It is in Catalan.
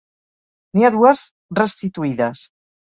N'hi ha dues restituïdes.